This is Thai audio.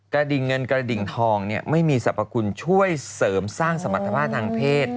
ดิ่งเงินกระดิ่งทองไม่มีสรรพคุณช่วยเสริมสร้างสมรรถภาพทางเพศ